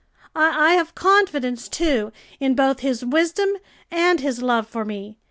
I have confidence, too, in both his wisdom and his love for me.